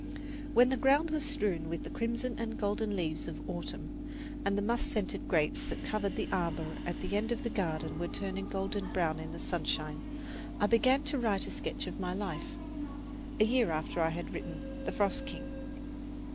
When the ground was strewn with the crimson and golden leaves of autumn, and the musk scented grapes that covered the arbour at the end of the garden were turning golden brown in the sunshine, I began to write a sketch of my life a year after I had written "The Frost King."